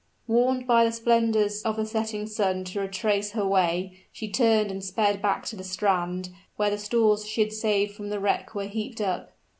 Warned by the splendors of the setting sun to retrace her way, she turned and sped back to the strand, where the stores she had saved from the wreck were heaped up.